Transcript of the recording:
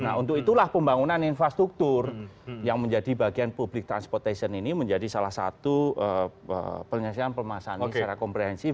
nah untuk itulah pembangunan infrastruktur yang menjadi bagian public transportation ini menjadi salah satu penyelesaian pemasangan secara komprehensif